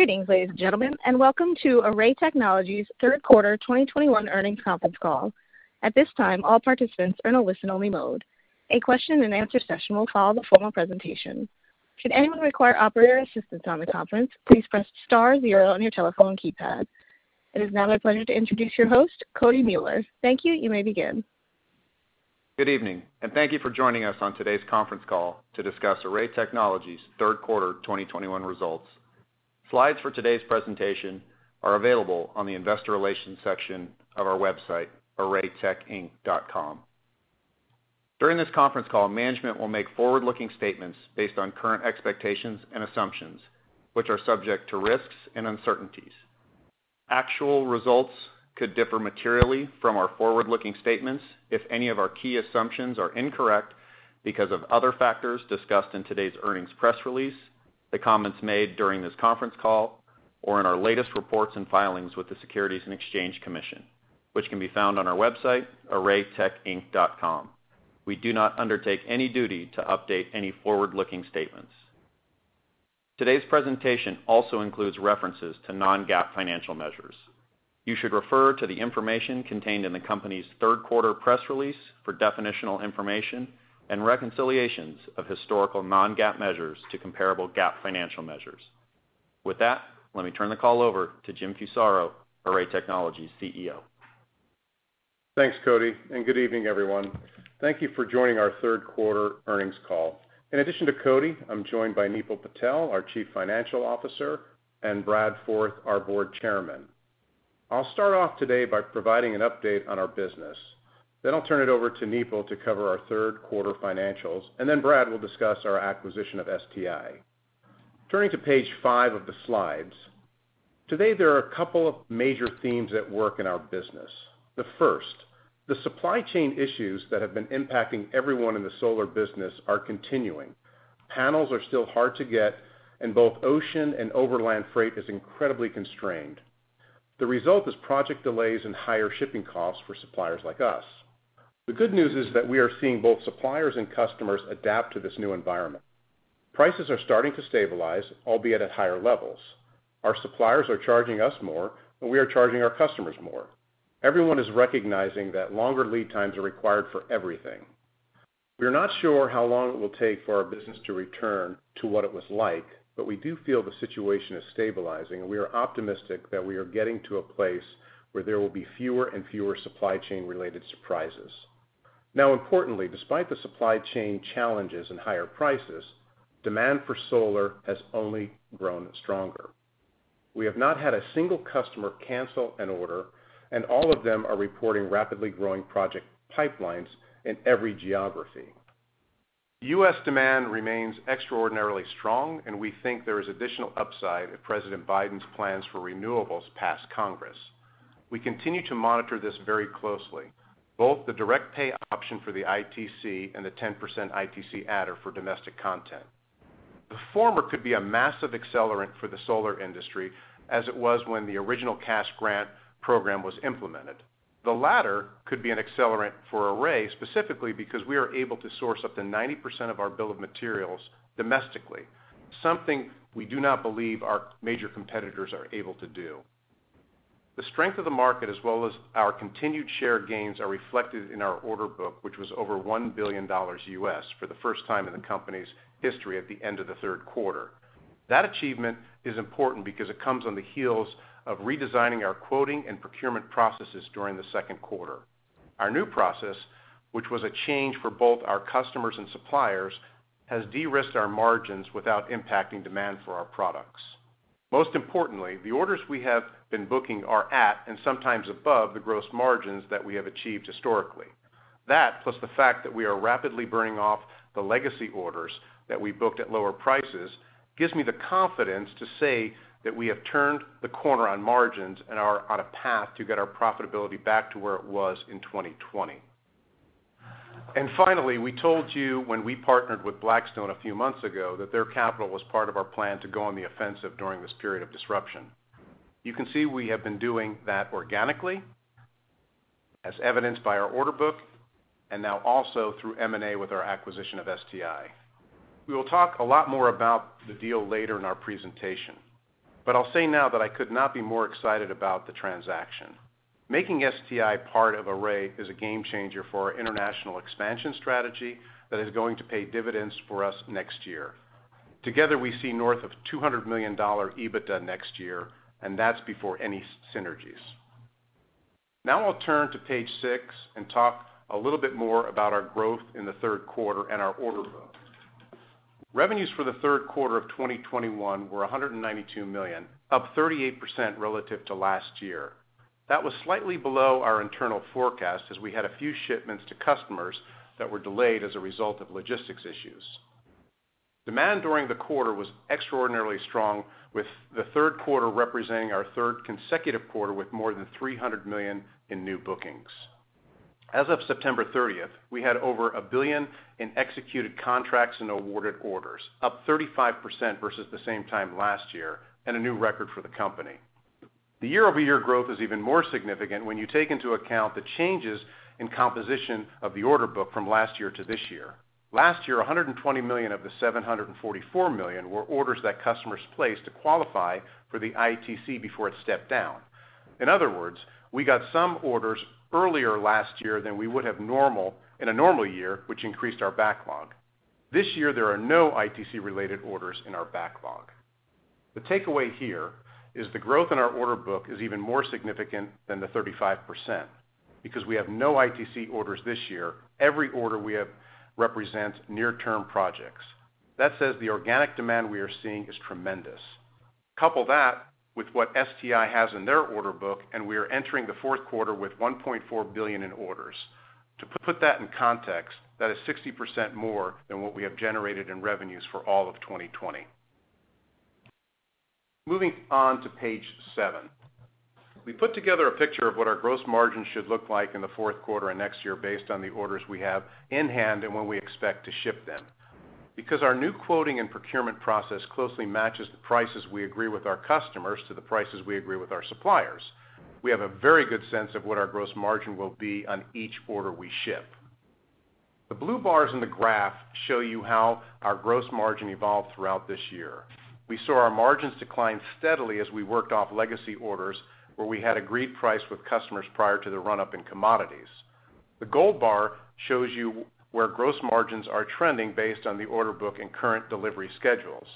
Greetings, ladies and gentlemen, and welcome to Array Technologies' third quarter 2021 earnings conference call. At this time, all participants are in a listen-only mode. A question-and-answer session will follow the formal presentation. Should anyone require operator assistance on the conference, please press star zero on your telephone keypad. It is now my pleasure to introduce your host, Cody Mueller. Thank you. You may begin. Good evening, and thank you for joining us on today's conference call to discuss Array Technologies' third quarter 2021 results. Slides for today's presentation are available on the investor relations section of our website, arraytechinc.com. During this conference call, management will make forward-looking statements based on current expectations and assumptions, which are subject to risks and uncertainties. Actual results could differ materially from our forward-looking statements if any of our key assumptions are incorrect because of other factors discussed in today's earnings press release, the comments made during this conference call, or in our latest reports and filings with the Securities and Exchange Commission, which can be found on our website, arraytechinc.com. We do not undertake any duty to update any forward-looking statements. Today's presentation also includes references to non-GAAP financial measures. You should refer to the information contained in the company's third quarter press release for definitional information and reconciliations of historical non-GAAP measures to comparable GAAP financial measures. With that, let me turn the call over to Jim Fusaro, Array Technologies' CEO. Thanks, Cody, and good evening, everyone. Thank you for joining our third quarter earnings call. In addition to Cody, I'm joined by Nipul Patel, our Chief Financial Officer, and Brad Forth, our Board Chairman. I'll start off today by providing an update on our business. Then I'll turn it over to Nipul to cover our third quarter financials, and then Brad will discuss our acquisition of STI. Turning to page five of the slides, today there are a couple of major themes at work in our business. The first, the supply chain issues that have been impacting everyone in the solar business are continuing. Panels are still hard to get, and both ocean and overland freight is incredibly constrained. The result is project delays and higher shipping costs for suppliers like us. The good news is that we are seeing both suppliers and customers adapt to this new environment. Prices are starting to stabilize, albeit at higher levels. Our suppliers are charging us more, and we are charging our customers more. Everyone is recognizing that longer lead times are required for everything. We are not sure how long it will take for our business to return to what it was like, but we do feel the situation is stabilizing, and we are optimistic that we are getting to a place where there will be fewer and fewer supply chain-related surprises. Now, importantly, despite the supply chain challenges and higher prices, demand for solar has only grown stronger. We have not had a single customer cancel an order, and all of them are reporting rapidly growing project pipelines in every geography. U.S. demand remains extraordinarily strong, and we think there is additional upside if President Biden's plans for renewables pass Congress. We continue to monitor this very closely, both the direct pay option for the ITC and the 10% ITC adder for domestic content. The former could be a massive accelerant for the solar industry, as it was when the original cash grant program was implemented. The latter could be an accelerant for Array, specifically because we are able to source up to 90% of our bill of materials domestically, something we do not believe our major competitors are able to do. The strength of the market, as well as our continued share gains, are reflected in our order book, which was over $1 billion for the first time in the company's history at the end of the third quarter. That achievement is important because it comes on the heels of redesigning our quoting and procurement processes during the second quarter. Our new process, which was a change for both our customers and suppliers, has de-risked our margins without impacting demand for our products. Most importantly, the orders we have been booking are at and sometimes above the gross margins that we have achieved historically. That, plus the fact that we are rapidly burning off the legacy orders that we booked at lower prices, gives me the confidence to say that we have turned the corner on margins and are on a path to get our profitability back to where it was in 2020. Finally, we told you when we partnered with Blackstone a few months ago that their capital was part of our plan to go on the offensive during this period of disruption. You can see we have been doing that organically, as evidenced by our order book, and now also through M&A with our acquisition of STI. We will talk a lot more about the deal later in our presentation, but I'll say now that I could not be more excited about the transaction. Making STI part of Array is a game changer for our international expansion strategy that is going to pay dividends for us next year. Together, we see north of $200 million EBITDA next year, and that's before any synergies. Now I'll turn to page six and talk a little bit more about our growth in the third quarter and our order book. Revenues for the third quarter of 2021 were $192 million, up 38% relative to last year. That was slightly below our internal forecast, as we had a few shipments to customers that were delayed as a result of logistics issues. Demand during the quarter was extraordinarily strong, with the third quarter representing our third consecutive quarter with more than $300 million in new bookings. As of September 30th, we had over $1 billion in executed contracts and awarded orders, up 35% versus the same time last year and a new record for the company. The year-over-year growth is even more significant when you take into account the changes in composition of the order book from last year to this year. Last year, $120 million of the $744 million were orders that customers placed to qualify for the ITC before it stepped down. In other words, we got some orders earlier last year than we would have normally in a normal year, which increased our backlog. This year, there are no ITC related orders in our backlog. The takeaway here is the growth in our order book is even more significant than the 35%. Because we have no ITC orders this year, every order we have represents near-term projects. That says the organic demand we are seeing is tremendous. Couple that with what STI has in their order book, and we are entering the fourth quarter with $1.4 billion in orders. To put that in context, that is 60% more than what we have generated in revenues for all of 2020. Moving on to page seven. We put together a picture of what our gross margin should look like in the fourth quarter and next year based on the orders we have in hand and when we expect to ship them. Because our new quoting and procurement process closely matches the prices we agree with our customers to the prices we agree with our suppliers, we have a very good sense of what our gross margin will be on each order we ship. The blue bars in the graph show you how our gross margin evolved throughout this year. We saw our margins decline steadily as we worked off legacy orders where we had agreed price with customers prior to the run-up in commodities. The gold bar shows you where gross margins are trending based on the order book and current delivery schedules.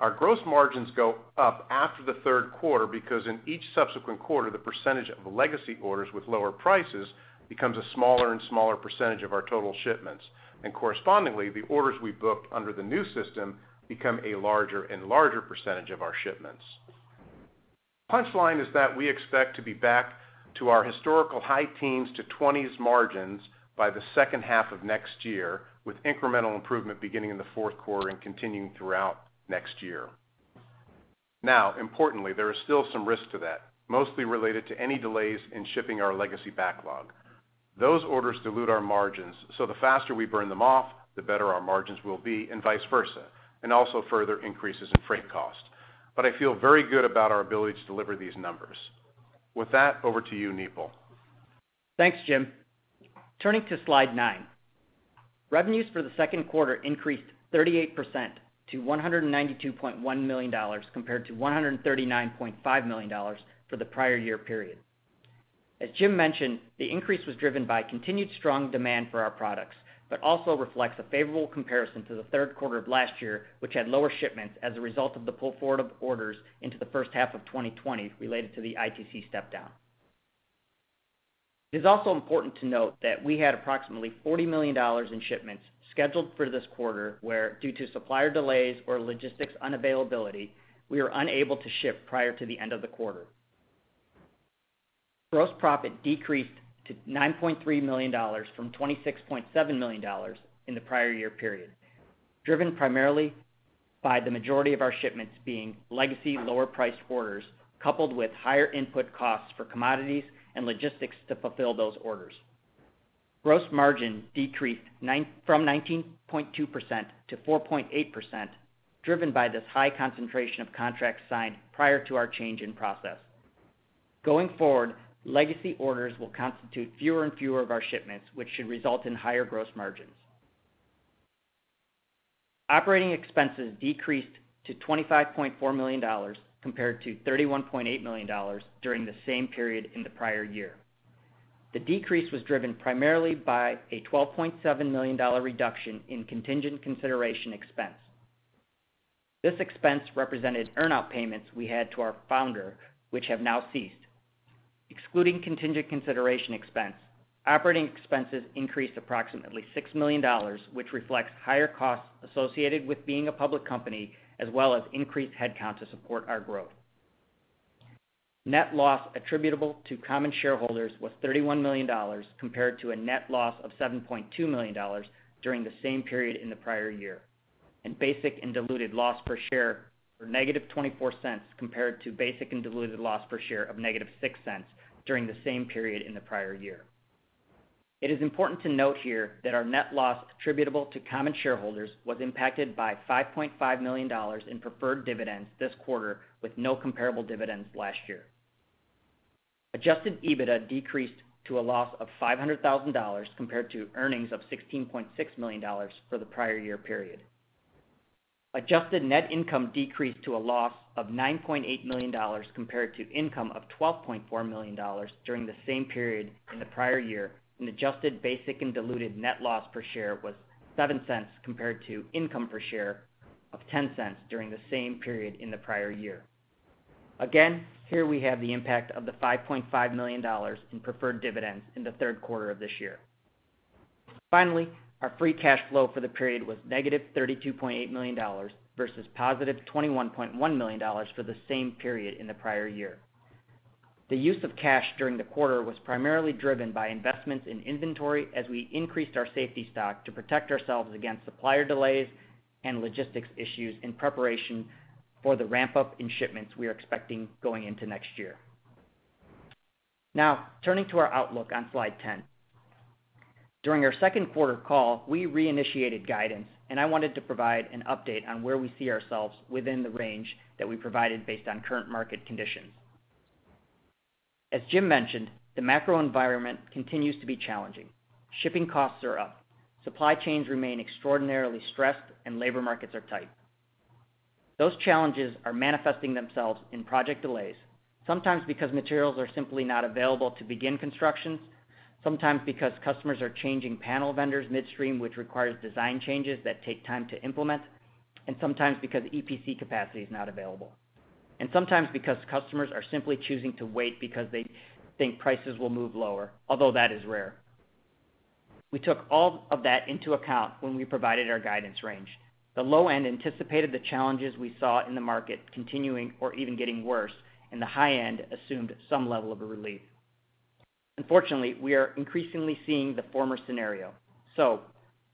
Our gross margins go up after the third quarter because in each subsequent quarter, the percentage of the legacy orders with lower prices becomes a smaller and smaller percentage of our total shipments. Correspondingly, the orders we booked under the new system become a larger and larger percentage of our shipments. Punchline is that we expect to be back to our historical high teens to twenties margins by the second half of next year, with incremental improvement beginning in the fourth quarter and continuing throughout next year. Now, importantly, there is still some risk to that, mostly related to any delays in shipping our legacy backlog. Those orders dilute our margins, so the faster we burn them off, the better our margins will be, and vice versa, and also further increases in freight cost. I feel very good about our ability to deliver these numbers. With that, over to you, Nipul. Thanks, Jim. Turning to slide nine. Revenues for the second quarter increased 38% to $192.1 million compared to $139.5 million for the prior year period. As Jim mentioned, the increase was driven by continued strong demand for our products, but also reflects a favorable comparison to the third quarter of last year, which had lower shipments as a result of the pull forward of orders into the first half of 2020 related to the ITC step down. It is also important to note that we had approximately $40 million in shipments scheduled for this quarter, where due to supplier delays or logistics unavailability, we were unable to ship prior to the end of the quarter. Gross profit decreased to $9.3 million from $26.7 million in the prior year period, driven primarily by the majority of our shipments being legacy lower-priced orders, coupled with higher input costs for commodities and logistics to fulfill those orders. Gross margin decreased from 19.2% to 4.8%, driven by this high concentration of contracts signed prior to our change in process. Going forward, legacy orders will constitute fewer and fewer of our shipments, which should result in higher gross margins. Operating expenses decreased to $25.4 million compared to $31.8 million during the same period in the prior year. The decrease was driven primarily by a $12.7 million reduction in contingent consideration expense. This expense represented earn-out payments we had to our founder, which have now ceased. Excluding contingent consideration expense, operating expenses increased approximately $6 million, which reflects higher costs associated with being a public company, as well as increased headcount to support our growth. Net loss attributable to common shareholders was $31 million, compared to a net loss of $7.2 million during the same period in the prior year, and basic and diluted loss per share were $-0.24 compared to basic and diluted loss per share of $-0.06 during the same period in the prior year. It is important to note here that our net loss attributable to common shareholders was impacted by $5.5 million in preferred dividends this quarter, with no comparable dividends last year. Adjusted EBITDA decreased to a loss of $500,000 compared to earnings of $16.6 million for the prior year period. Adjusted net income decreased to a loss of $9.8 million compared to income of $12.4 million during the same period in the prior year, and adjusted basic and diluted net loss per share was $0.07 compared to income per share of $0.10 during the same period in the prior year. Again, here we have the impact of the $5.5 million in preferred dividends in the third quarter of this year. Finally, our free cash flow for the period was $-32.8 million versus $+21.1 million for the same period in the prior year. The use of cash during the quarter was primarily driven by investments in inventory as we increased our safety stock to protect ourselves against supplier delays and logistics issues in preparation for the ramp-up in shipments we are expecting going into next year. Now turning to our outlook on slide 10. During our second quarter call, we reinitiated guidance, and I wanted to provide an update on where we see ourselves within the range that we provided based on current market conditions. As Jim mentioned, the macro environment continues to be challenging. Shipping costs are up, supply chains remain extraordinarily stressed, and labor markets are tight. Those challenges are manifesting themselves in project delays, sometimes because materials are simply not available to begin construction, sometimes because customers are changing panel vendors midstream, which requires design changes that take time to implement, and sometimes because EPC capacity is not available, and sometimes because customers are simply choosing to wait because they think prices will move lower, although that is rare. We took all of that into account when we provided our guidance range. The low end anticipated the challenges we saw in the market continuing or even getting worse, and the high end assumed some level of a relief. Unfortunately, we are increasingly seeing the former scenario.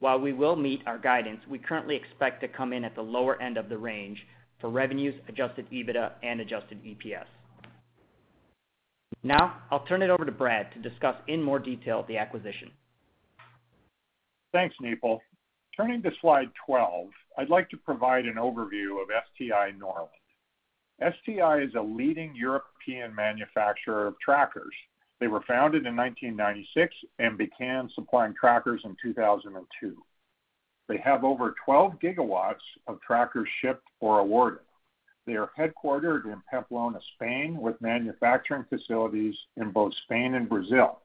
While we will meet our guidance, we currently expect to come in at the lower end of the range for revenues, adjusted EBITDA, and adjusted EPS. Now I'll turn it over to Brad to discuss in more detail the acquisition. Thanks, Nipul. Turning to slide 12, I'd like to provide an overview of STI Norland. STI is a leading European manufacturer of trackers. They were founded in 1996 and began supplying trackers in 2002. They have over 12 GW of trackers shipped or awarded. They are headquartered in Pamplona, Spain, with manufacturing facilities in both Spain and Brazil.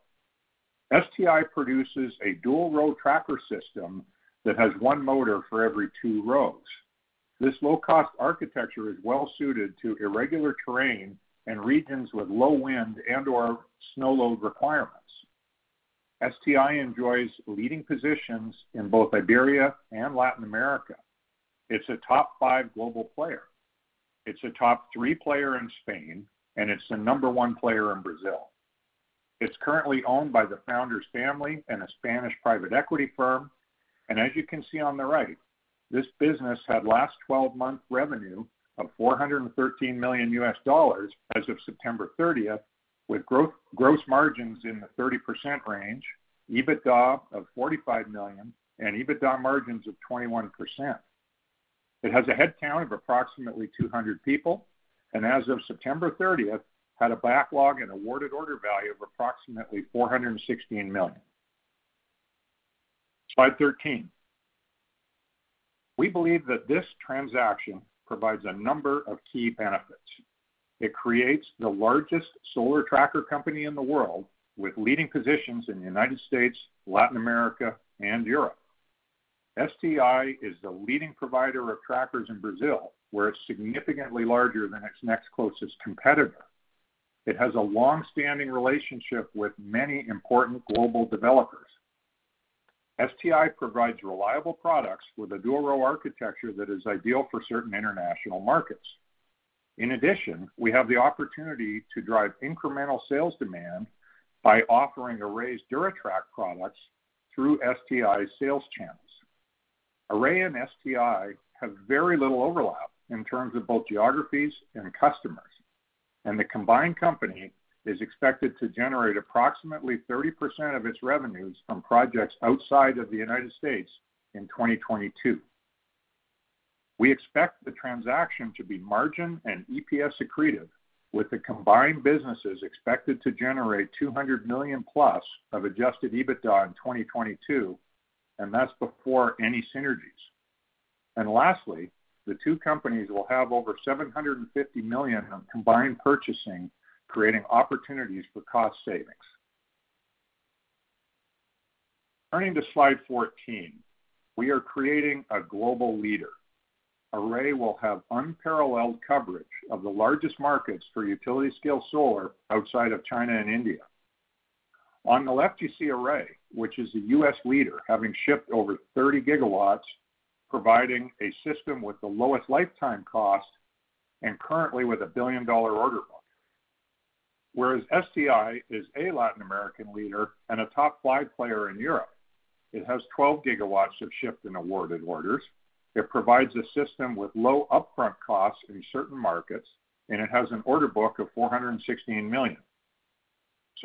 STI produces a dual-row tracker system that has one motor for every two rows. This low-cost architecture is well-suited to irregular terrain and regions with low wind and/or snow load requirements. STI enjoys leading positions in both Iberia and Latin America. It's a top five global player. It's a top three player in Spain, and it's the number one player in Brazil. It's currently owned by the founder's family and a Spanish private equity firm. As you can see on the right, this business had last twelve-month revenue of $413 million as of September 30th, with gross margins in the 30% range, EBITDA of $45 million, and EBITDA margins of 21%. It has a headcount of approximately 200 people, and as of September 30th, had a backlog and awarded order value of approximately $416 million. Slide 13. We believe that this transaction provides a number of key benefits. It creates the largest solar tracker company in the world, with leading positions in the United States, Latin America, and Europe. STI is the leading provider of trackers in Brazil, where it's significantly larger than its next closest competitor. It has a long-standing relationship with many important global developers. STI provides reliable products with a dual-row architecture that is ideal for certain international markets. In addition, we have the opportunity to drive incremental sales demand by offering Array's DuraTrack products through STI's sales channels. Array and STI have very little overlap in terms of both geographies and customers, and the combined company is expected to generate approximately 30% of its revenues from projects outside of the United States in 2022. We expect the transaction to be margin and EPS accretive, with the combined businesses expected to generate $200 million+ of adjusted EBITDA in 2022, and that's before any synergies. Lastly, the two companies will have over $750 million of combined purchasing, creating opportunities for cost savings. Turning to slide 14. We are creating a global leader. Array will have unparalleled coverage of the largest markets for utility scale solar outside of China and India. On the left, you see Array, which is a U.S. leader, having shipped over 30 GW, providing a system with the lowest lifetime cost and currently with a $1 billion order book. Whereas STI is a Latin American leader and a top five player in Europe. It has 12 GW of shipped and awarded orders. It provides a system with low upfront costs in certain markets, and it has an order book of $416 million.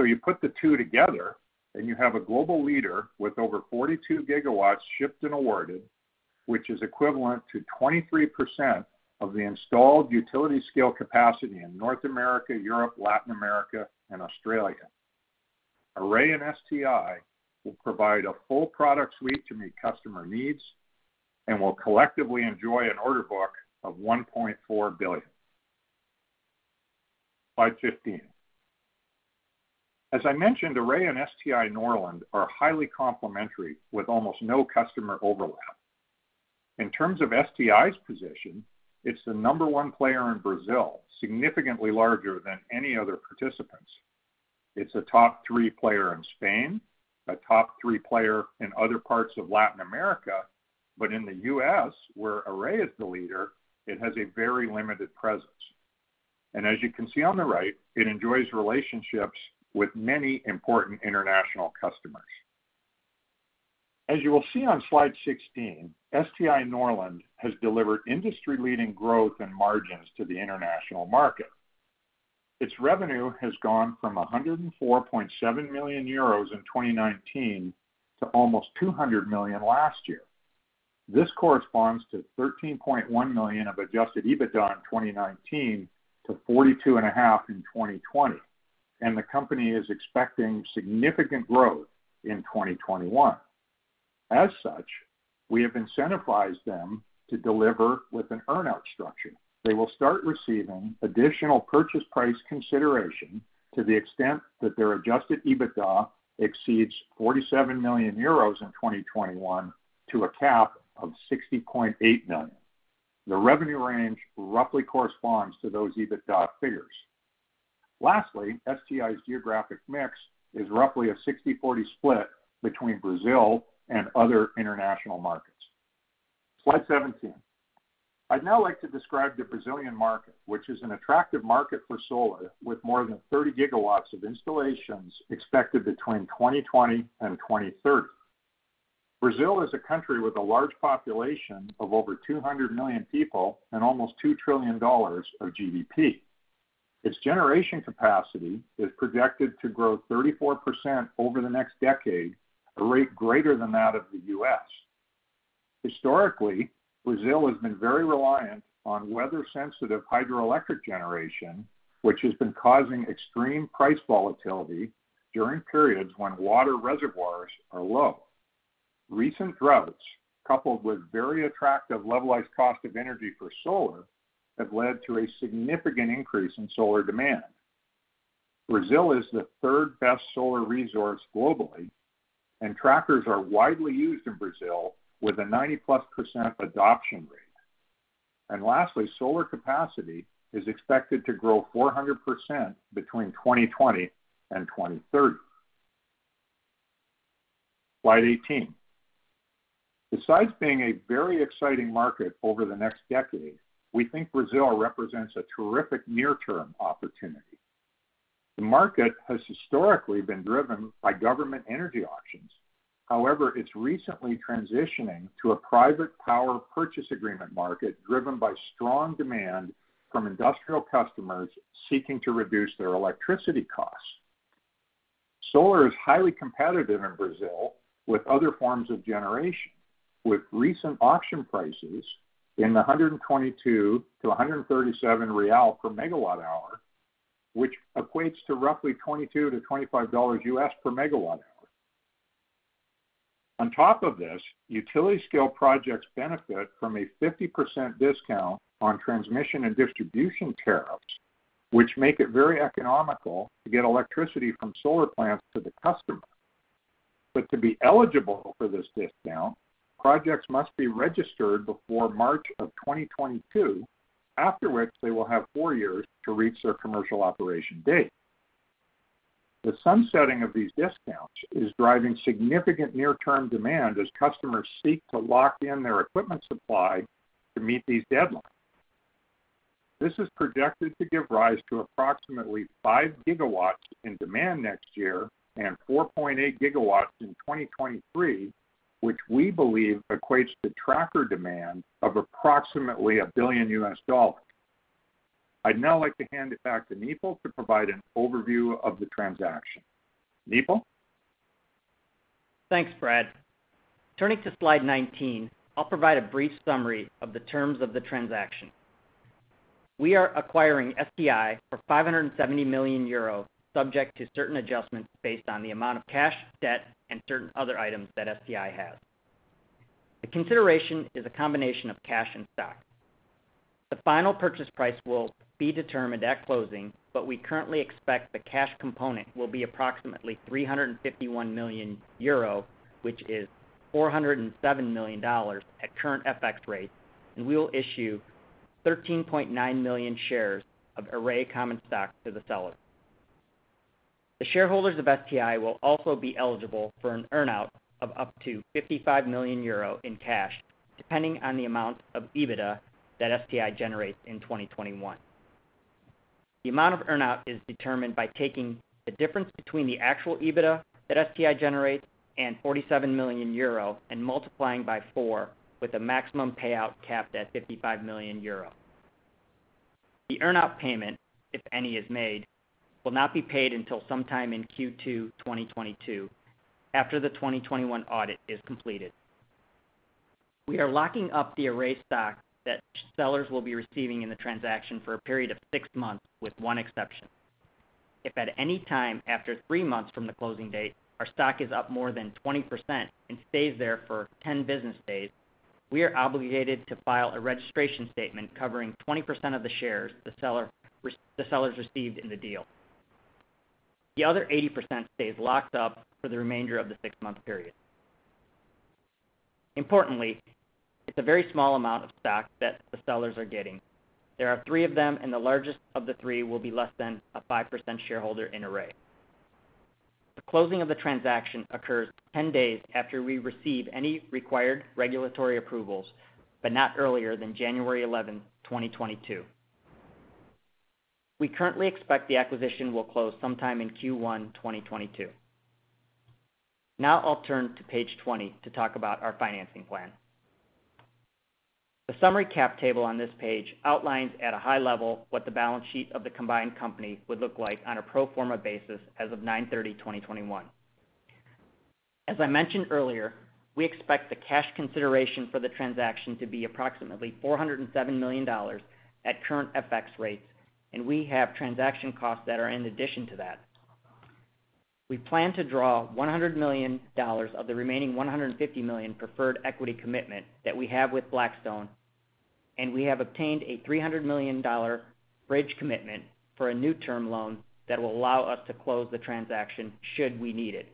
You put the two together, and you have a global leader with over 42 GW shipped and awarded, which is equivalent to 23% of the installed utility-scale capacity in North America, Europe, Latin America, and Australia. Array and STI will provide a full product suite to meet customer needs and will collectively enjoy an order book of $1.4 billion. Slide 15. As I mentioned, Array and STI Norland are highly complementary, with almost no customer overlap. In terms of STI's position, it's the number one player in Brazil, significantly larger than any other participants. It's a top three player in Spain, a top three player in other parts of Latin America, but in the U.S., where Array is the leader, it has a very limited presence. As you can see on the right, it enjoys relationships with many important international customers. As you will see on slide 16, STI Norland has delivered industry-leading growth and margins to the international market. Its revenue has gone from 104.7 million euros in 2019 to almost 200 million last year. This corresponds to 13.1 million of adjusted EBITDA in 2019 to 42.5 million in 2020, and the company is expecting significant growth in 2021. As such, we have incentivized them to deliver with an earn-out structure. They will start receiving additional purchase price consideration to the extent that their adjusted EBITDA exceeds 47 million euros in 2021 to a cap of 60.8 million. The revenue range roughly corresponds to those EBITDA figures. Lastly, STI's geographic mix is roughly a 60/40 split between Brazil and other international markets. Slide 17. I'd now like to describe the Brazilian market, which is an attractive market for solar, with more than 30 GW of installations expected between 2020 and 2030. Brazil is a country with a large population of over 200 million people and almost $2 trillion of GDP. Its generation capacity is projected to grow 34% over the next decade, a rate greater than that of the U.S. Historically, Brazil has been very reliant on weather-sensitive hydroelectric generation, which has been causing extreme price volatility during periods when water reservoirs are low. Recent droughts, coupled with very attractive levelized cost of energy for solar, have led to a significant increase in solar demand. Brazil is the third-best solar resource globally, and trackers are widely used in Brazil with a 90%+ adoption rate. Lastly, solar capacity is expected to grow 400% between 2020 and 2030. Slide 18. Besides being a very exciting market over the next decade, we think Brazil represents a terrific near-term opportunity. The market has historically been driven by government energy auctions. However, it's recently transitioning to a private power purchase agreement market driven by strong demand from industrial customers seeking to reduce their electricity costs. Solar is highly competitive in Brazil with other forms of generation, with recent auction prices in 122-137 real per MWh, which equates to roughly $22-$25 per MWh. On top of this, utility-scale projects benefit from a 50% discount on transmission and distribution tariffs, which make it very economical to get electricity from solar plants to the customer. To be eligible for this discount, projects must be registered before March 2022, after which they will have four years to reach their commercial operation date. The sunsetting of these discounts is driving significant near-term demand as customers seek to lock in their equipment supply to meet these deadlines. This is projected to give rise to approximately 5 GW in demand next year and 4.8 GW in 2023, which we believe equates to tracker demand of approximately $1 billion. I'd now like to hand it back to Nipul to provide an overview of the transaction. Nipul? Thanks, Brad. Turning to slide 19, I'll provide a brief summary of the terms of the transaction. We are acquiring STI for 570 million euros, subject to certain adjustments based on the amount of cash, debt, and certain other items that STI has. The consideration is a combination of cash and stock. The final purchase price will be determined at closing, but we currently expect the cash component will be approximately 351 million euro, which is $407 million at current FX rates, and we will issue 13.9 million shares of Array common stock to the seller. The shareholders of STI will also be eligible for an earn-out of up to 55 million euro in cash, depending on the amount of EBITDA that STI generates in 2021. The amount of earn-out is determined by taking the difference between the actual EBITDA that STI generates and 47 million euro and multiplying by four with a maximum payout capped at 55 million euro. The earn-out payment, if any, will not be paid until sometime in Q2 2022 after the 2021 audit is completed. We are locking up the Array stock that sellers will be receiving in the transaction for a period of six months with one exception. If at any time after three months from the closing date, our stock is up more than 20% and stays there for 10 business days, we are obligated to file a registration statement covering 20% of the shares the sellers received in the deal. The other 80% stays locked up for the remainder of the six-month period. Importantly, it's a very small amount of stock that the sellers are getting. There are three of them, and the largest of the three will be less than a 5% shareholder in Array. The closing of the transaction occurs 10 days after we receive any required regulatory approvals, but not earlier than January 11th, 2022. We currently expect the acquisition will close sometime in Q1 2022. Now I'll turn to page 20 to talk about our financing plan. The summary cap table on this page outlines at a high level what the balance sheet of the combined company would look like on a pro forma basis as of September 30, 2021. As I mentioned earlier, we expect the cash consideration for the transaction to be approximately $407 million at current FX rates, and we have transaction costs that are in addition to that. We plan to draw $100 million of the remaining $150 million preferred equity commitment that we have with Blackstone, and we have obtained a $300 million bridge commitment for a new term loan that will allow us to close the transaction should we need it.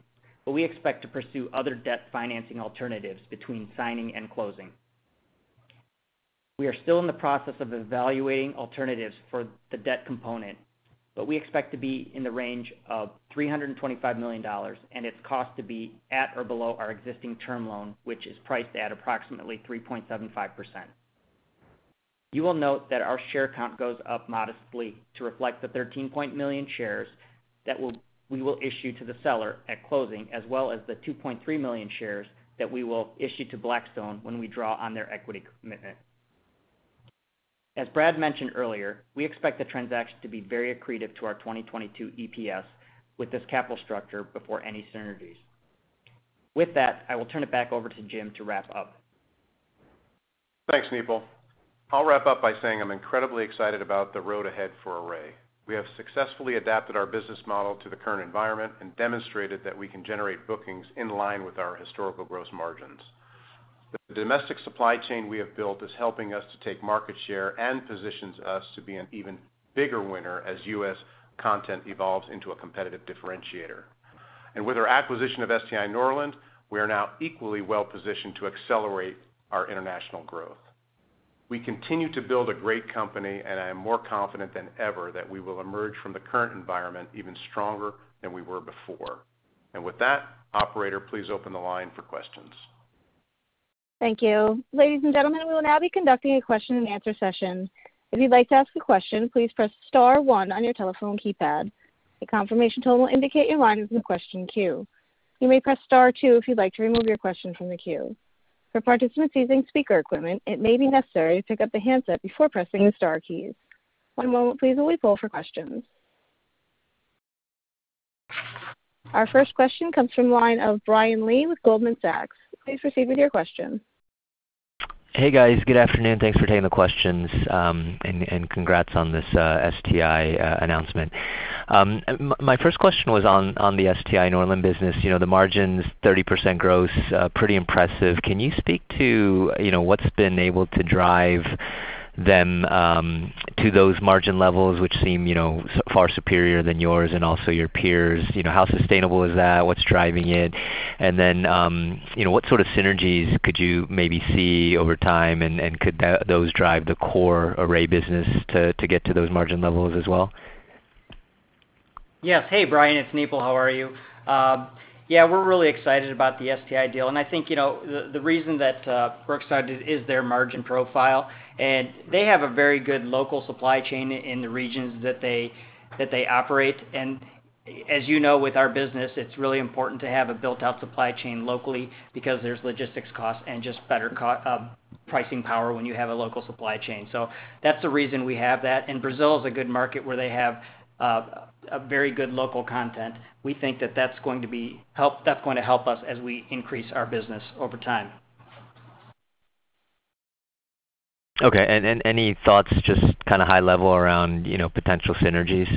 We expect to pursue other debt financing alternatives between signing and closing. We are still in the process of evaluating alternatives for the debt component, but we expect to be in the range of $325 million, and its cost to be at or below our existing term loan, which is priced at approximately 3.75%. You will note that our share count goes up modestly to reflect the 13 million shares that we will issue to the seller at closing, as well as the 2.3 million shares that we will issue to Blackstone when we draw on their equity commitment. As Brad mentioned earlier, we expect the transaction to be very accretive to our 2022 EPS with this capital structure before any synergies. With that, I will turn it back over to Jim to wrap up. Thanks, Nipul. I'll wrap up by saying I'm incredibly excited about the road ahead for Array. We have successfully adapted our business model to the current environment and demonstrated that we can generate bookings in line with our historical gross margins. The domestic supply chain we have built is helping us to take market share and positions us to be an even bigger winner as U.S. content evolves into a competitive differentiator. With our acquisition of STI Norland, we are now equally well positioned to accelerate our international growth. We continue to build a great company, and I am more confident than ever that we will emerge from the current environment even stronger than we were before. With that, operator, please open the line for questions. Thank you. Ladies and gentlemen, we will now be conducting a question-and-answer session. If you'd like to ask a question, please press star one on your telephone keypad. A confirmation tone will indicate your line is in the question queue. You may press star two if you'd like to remove your question from the queue. For participants using speaker equipment, it may be necessary to pick up the handset before pressing the star keys. One moment please while we poll for questions. Our first question comes from the line of Brian Lee with Goldman Sachs. Please proceed with your question. Hey, guys. Good afternoon. Thanks for taking the questions, and congrats on this STI Norland announcement. My first question was on the STI Norland business. You know, the margins, 30% gross, pretty impressive. Can you speak to, you know, what's been able to drive them to those margin levels, which seem, you know, far superior than yours and also your peers? You know, how sustainable is that? What's driving it? And then, you know, what sort of synergies could you maybe see over time? And could those drive the core Array business to get to those margin levels as well? Yes. Hey, Brian, it's Nipul. How are you? Yeah, we're really excited about the STI deal. I think, you know, the reason that we're excited is their margin profile. They have a very good local supply chain in the regions that they operate. As you know, with our business, it's really important to have a built-out supply chain locally because there's logistics costs and just better pricing power when you have a local supply chain. That's the reason we have that. Brazil is a good market where they have a very good local content. We think that that's going to help us as we increase our business over time. Okay. Any thoughts just kind of high level around, you know, potential synergies?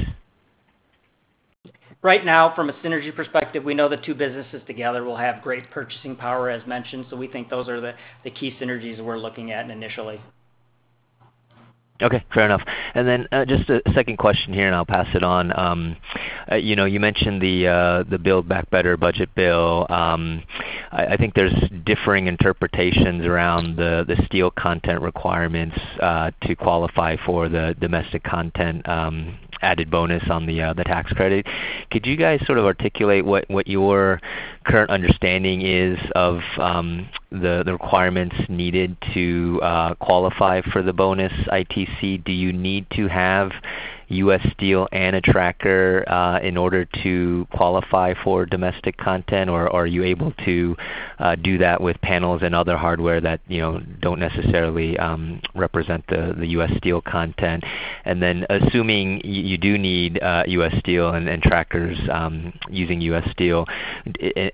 Right now, from a synergy perspective, we know the two businesses together will have great purchasing power, as mentioned. We think those are the key synergies we're looking at initially. Okay. Fair enough. Just a second question here, and I'll pass it on. You know, you mentioned the Build Back Better budget bill. I think there's differing interpretations around the steel content requirements to qualify for the domestic content added bonus on the tax credit. Could you guys sort of articulate what your current understanding is of the requirements needed to qualify for the bonus ITC? Do you need to have U.S. steel and a tracker in order to qualify for domestic content, or are you able to do that with panels and other hardware that you know don't necessarily represent the U.S. steel content? and trackers using U.S. steel,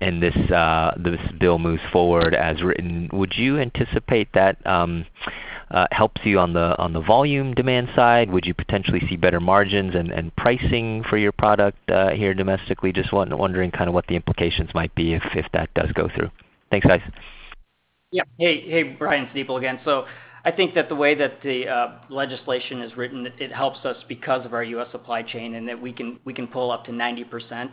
and this bill moves forward as written, would you anticipate that helps you on the volume demand side? Would you potentially see better margins and pricing for your product here domestically? Just wondering kind of what the implications might be if that does go through. Thanks, guys. Hey, Brian, it's Nipul again. I think that the way that the legislation is written, it helps us because of our U.S. supply chain, and that we can pull up to 90%.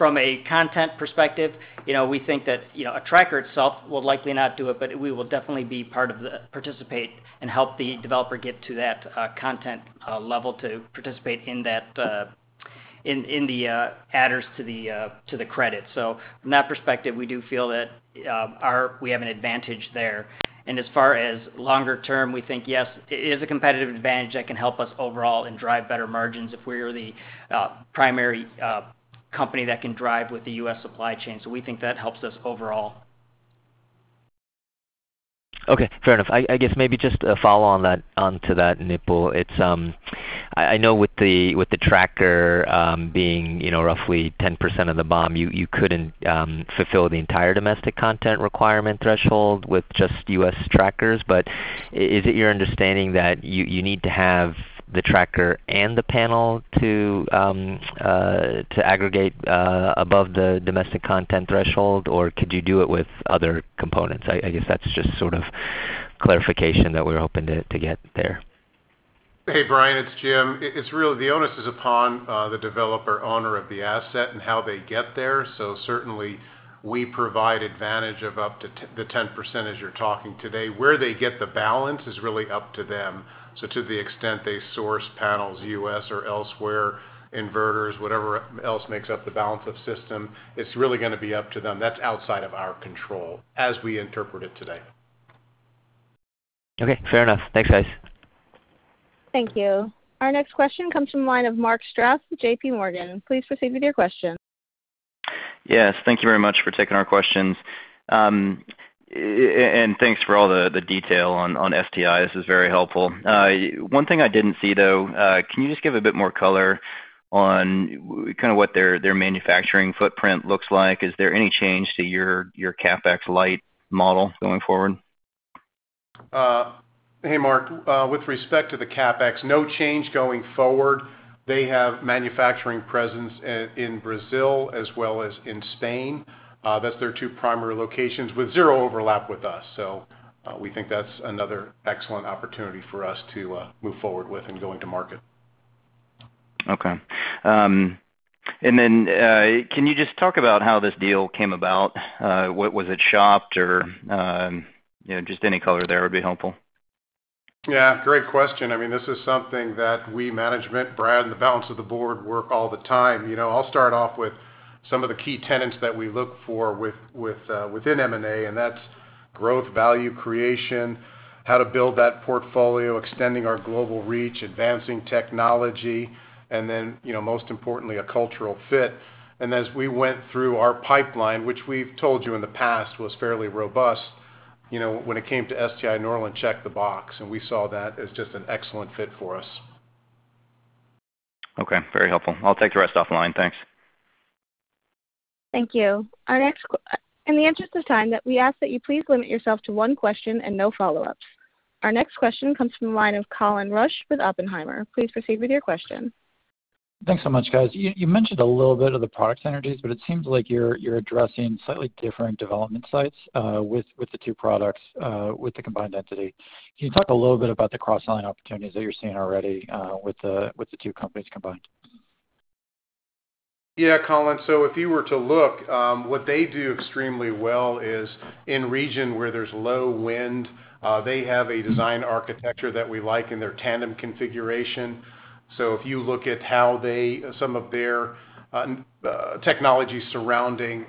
From a content perspective, you know, we think that, you know, a tracker itself will likely not do it, but we will definitely participate and help the developer get to that content level to participate in that. In the adders to the credit. From that perspective, we do feel that we have an advantage there. As far as longer term, we think, yes, it is a competitive advantage that can help us overall and drive better margins if we're the primary company that can drive with the U.S. supply chain. We think that helps us overall. Okay, fair enough. I guess maybe just a follow-on to that, Nipul. I know with the tracker being you know roughly 10% of the BOM, you couldn't fulfill the entire domestic content requirement threshold with just U.S. trackers. But is it your understanding that you need to have the tracker and the panel to aggregate above the domestic content threshold? Or could you do it with other components? I guess that's just sort of clarification that we're hoping to get there. Hey, Brian, it's Jim. It's real. The onus is upon the developer owner of the asset and how they get there. Certainly we provide advantage of up to the 10% as you're talking today. Where they get the balance is really up to them. To the extent they source panels, U.S. or elsewhere, inverters, whatever else makes up the balance of system, it's really gonna be up to them. That's outside of our control as we interpret it today. Okay, fair enough. Thanks, guys. Thank you. Our next question comes from the line of Mark Strouse with JP Morgan. Please proceed with your question. Yes. Thank you very much for taking our questions. Thanks for all the detail on STI. This is very helpful. One thing I didn't see though, can you just give a bit more color on kind of what their manufacturing footprint looks like? Is there any change to your CapEx light model going forward? Hey, Mark. With respect to the CapEx, no change going forward. They have manufacturing presence in Brazil as well as in Spain. That's their two primary locations with zero overlap with us. We think that's another excellent opportunity for us to move forward with in going to market. Okay. Can you just talk about how this deal came about? What was it shopped? Or, you know, just any color there would be helpful. Yeah, great question. I mean, this is something that we management, Brad, and the balance of the board work all the time. You know, I'll start off with some of the key tenets that we look for within M&A, and that's growth, value creation, how to build that portfolio, extending our global reach, advancing technology, and then, you know, most importantly, a cultural fit. As we went through our pipeline, which we've told you in the past was fairly robust, you know, when it came to STI Norland checked the box, and we saw that as just an excellent fit for us. Okay, very helpful. I'll take the rest offline. Thanks. Thank you. In the interest of time, we ask that you please limit yourself to one question and no follow-ups. Our next question comes from the line of Colin Rusch with Oppenheimer. Please proceed with your question. Thanks so much, guys. You mentioned a little bit of the product synergies, but it seems like you're addressing slightly different development sites with the two products with the combined entity. Can you talk a little bit about the cross-selling opportunities that you're seeing already with the two companies combined? Yeah, Colin. If you were to look, what they do extremely well is in regions where there's low wind, they have a design architecture that we like in their tandem configuration. If you look at some of their technology surrounding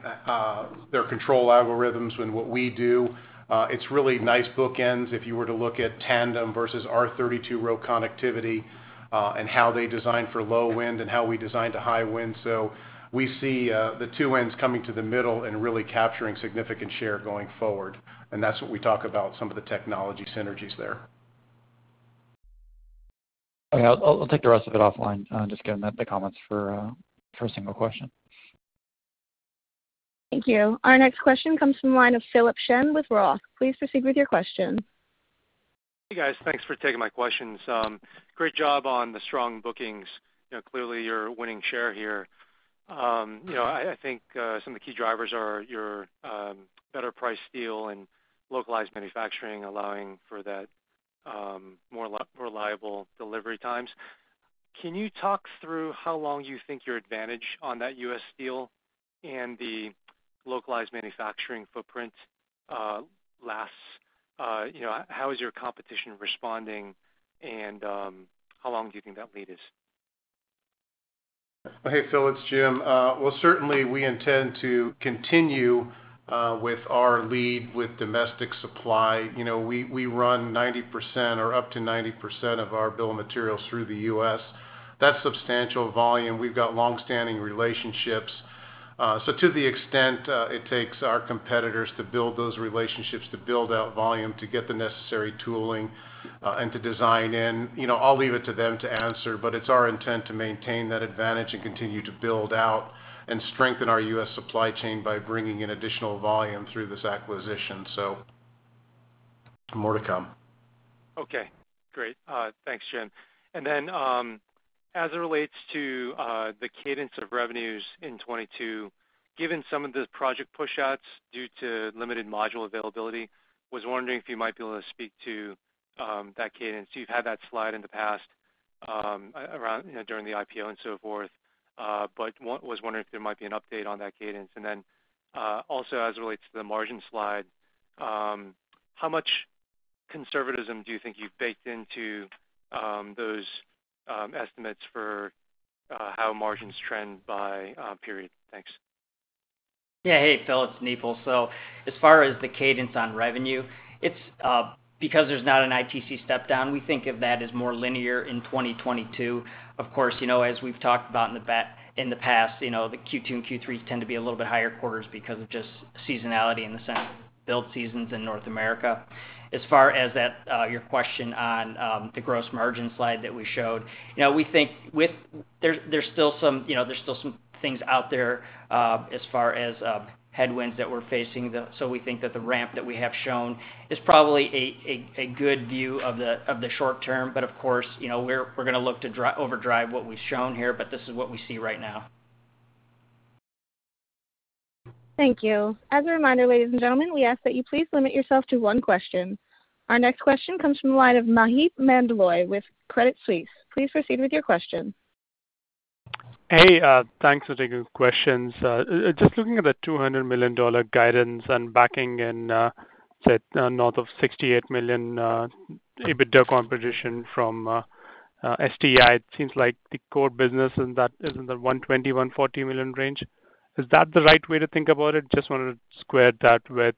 their control algorithms and what we do, it's really nice bookends if you were to look at tandem versus our 32-row connectivity, and how they design for low wind and how we design for high wind. We see the two ends coming to the middle and really capturing significant share going forward, and that's what we talk about some of the technology synergies there. Okay. I'll take the rest of it offline, just given that the comments for a single question. Thank you. Our next question comes from the line of Philip Shen with Roth. Please proceed with your question. Hey, guys. Thanks for taking my questions. Great job on the strong bookings. You know, clearly you're winning share here. I think some of the key drivers are your better price steel and localized manufacturing allowing for that more reliable delivery times. Can you talk through how long you think your advantage on that U.S. steel and the localized manufacturing footprint lasts? How is your competition responding, and how long do you think that lead is? Hey, Phil, it's Jim. Well, certainly we intend to continue with our lead with domestic supply. You know, we run 90% or up to 90% of our bill of materials through the U.S. That's substantial volume. We've got long-standing relationships. So to the extent it takes our competitors to build those relationships, to build out volume, to get the necessary tooling and to design in, you know, I'll leave it to them to answer, but it's our intent to maintain that advantage and continue to build out and strengthen our U.S. supply chain by bringing in additional volume through this acquisition. More to come. Okay, great. Thanks, Jim. As it relates to the cadence of revenues in 2022, given some of the project push-outs due to limited module availability, was wondering if you might be able to speak to that cadence. You've had that slide in the past, around, you know, during the IPO and so forth. Was wondering if there might be an update on that cadence. Also as it relates to the margin slide, how much conservatism, do you think you've baked into those estimates for how margins trend by period? Thanks. Yeah. Hey, Phil, it's Nipul. As far as the cadence on revenue, it's because there's not an ITC step down, we think of that as more linear in 2022. Of course, you know, as we've talked about in the past, you know, the Q2 and Q3 tend to be a little bit higher quarters because of just seasonality in the construction build seasons in North America. As far as that, your question on the gross margin slide that we showed, you know, we think there's still some things out there, you know, as far as headwinds that we're facing. We think that the ramp that we have shown is probably a good view of the short term. Of course, you know, we're gonna look to overdrive what we've shown here, but this is what we see right now. Thank you. As a reminder, ladies and gentlemen, we ask that you please limit yourself to one question. Our next question comes from the line of Maheep Mandloi with Credit Suisse. Please proceed with your question. Hey, thanks for taking questions. Just looking at the $200 million guidance and backlog set north of $68 million EBITDA contribution from STI. It seems like the core business in that is in the $120 million-$140 million range. Is that the right way to think about it? Just wanted to square that with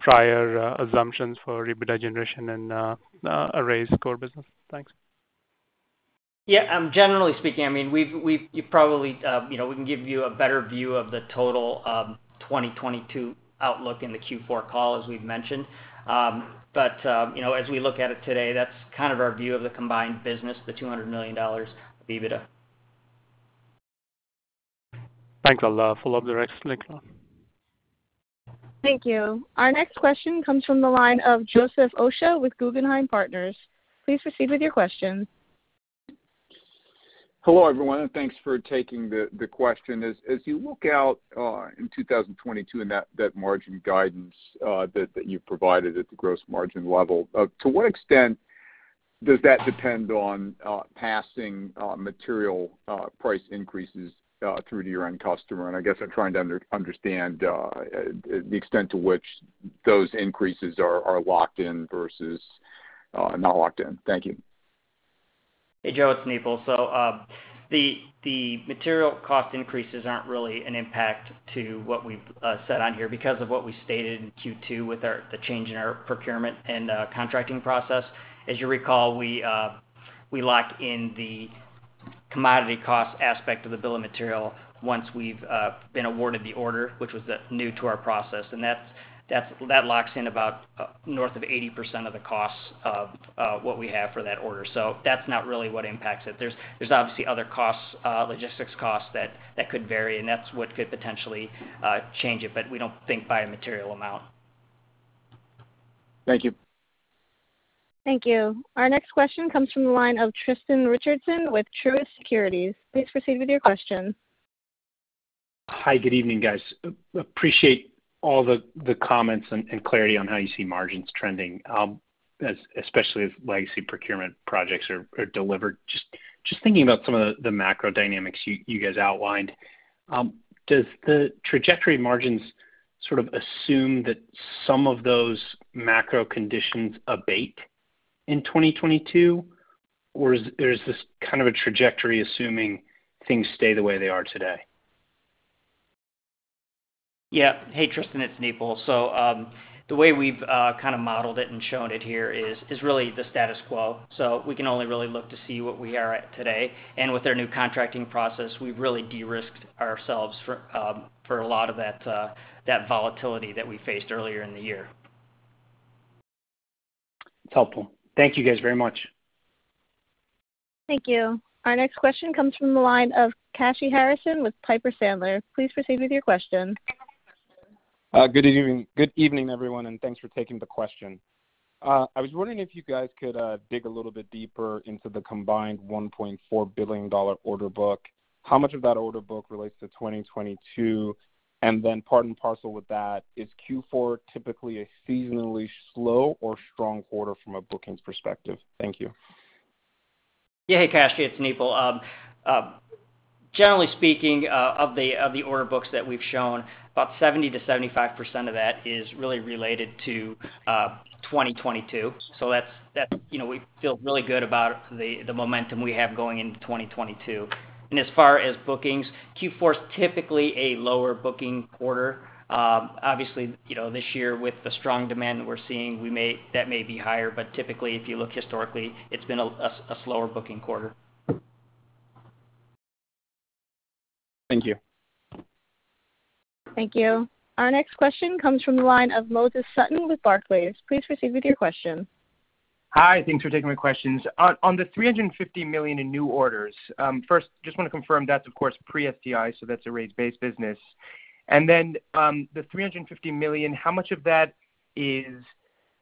prior assumptions for EBITDA generation and Array's core business. Thanks. Yeah, generally speaking, I mean, you probably you know we can give you a better view of the total 2022 outlook in the Q4 call, as we've mentioned. You know, as we look at it today, that's kind of our view of the combined business, the $200 million EBITDA. Thanks a lot. Follow up direct. Thank you. Thank you. Our next question comes from the line of Joseph Osha with Guggenheim Securities. Please proceed with your question. Hello, everyone, and thanks for taking the question. As you look out in 2022 and that margin guidance that you've provided at the gross margin level, to what extent does that depend on passing material price increases through to your end customer? I guess I'm trying to understand the extent to which those increases are locked in versus not locked in. Thank you. Hey, Joe, it's Nipul. The material cost increases aren't really an impact to what we've set on here because of what we stated in Q2 with the change in our procurement and contracting process. As you recall, we locked in the commodity cost aspect of the bill of material once we've been awarded the order, which was new to our process, and that locks in about north of 80% of the costs of what we have for that order. That's not really what impacts it. There's obviously other costs, logistics costs that could vary, and that's what could potentially change it, but we don't think by a material amount. Thank you. Thank you. Our next question comes from the line of Tristan Richardson with Truist Securities. Please proceed with your question. Hi. Good evening, guys. Appreciate all the comments and clarity on how you see margins trending, especially as legacy procurement projects are delivered. Just thinking about some of the macro dynamics you guys outlined, does the trajectory of margins sort of assume that some of those macro conditions abate in 2022? Or is this kind of a trajectory assuming things stay the way they are today? Yeah. Hey, Tristan, it's Nipul. The way we've kind of modeled it and shown it here is really the status quo. We can only really look to see what we are at today. With our new contracting process, we've really de-risked ourselves for a lot of that volatility that we faced earlier in the year. It's helpful. Thank you guys very much. Thank you. Our next question comes from the line of Kashy Harrison with Piper Sandler. Please proceed with your question. Good evening, everyone, and thanks for taking the question. I was wondering if you guys could dig a little bit deeper into the combined $1.4 billion order book. How much of that order book relates to 2022? And then part and parcel with that, is Q4 typically a seasonally slow or strong quarter from a bookings perspective? Thank you. Yeah. Hey, Kashy, it's Nipul. Generally speaking, of the order books that we've shown, about 70%-75% of that is really related to 2022. That's you know, we feel really good about the momentum we have going into 2022. As far as bookings, Q4 is typically a lower booking quarter. Obviously, you know, this year with the strong demand that we're seeing, that may be higher. Typically, if you look historically, it's been a slower booking quarter. Thank you. Thank you. Our next question comes from the line of Moses Sutton with Barclays. Please proceed with your question. Hi. Thanks for taking my questions. On the $350 million in new orders, first, just wanna confirm that's of course pre-STI, so that's an Array base business. The $350 million, how much of that is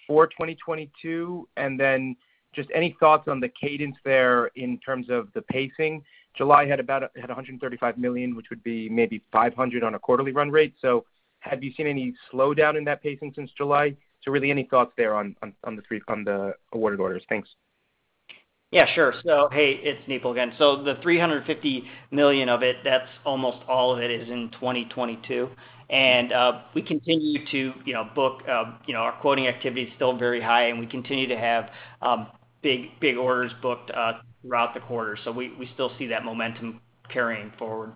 for 2022? Just any thoughts on the cadence there in terms of the pacing? July had about a $135 million, which would be maybe $500 million on a quarterly run rate. Have you seen any slowdown in that pacing since July? Really any thoughts there on the awarded orders. Thanks. Yeah, sure. Hey, it's Nipul again. The $350 million of it, that's almost all of it, is in 2022. We continue to, you know, book, you know, our quoting activity is still very high, and we continue to have big orders booked throughout the quarter. We still see that momentum carrying forward.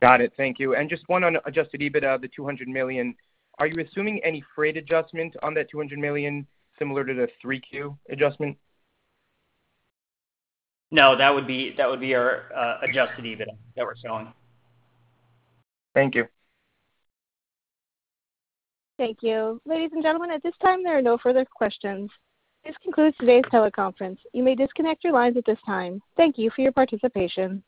Got it. Thank you. Just one on adjusted EBITDA, the $200 million. Are you assuming any freight adjustment on that $200 million similar to the 3Q adjustment? No, that would be our adjusted EBITDA that we're showing. Thank you. Thank you. Ladies and gentlemen, at this time, there are no further questions. This concludes today's teleconference. You may disconnect your lines at this time. Thank you for your participation.